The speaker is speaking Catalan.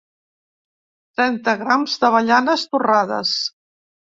Trenta grams d’avellanes torrades.